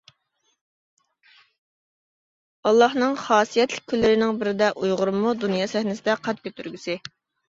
ئاللانىڭ خاسىيەتلىك كۈنلىرىنىڭ بىرىدە ئۇيغۇرۇممۇ دۇنيا سەھنىسىدە قەد كۆتۈرگۈسى.